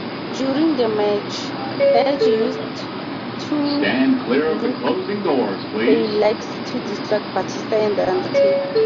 During the match, Edge used two look-a-likes to distract Batista and The Undertaker.